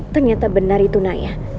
ternyata benar itu naya